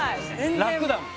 楽だもん。